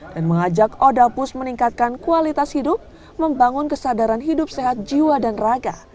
dan mengajak odaapus meningkatkan kualitas hidup membangun kesadaran hidup sehat jiwa dan raga